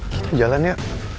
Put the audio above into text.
kita jalan ya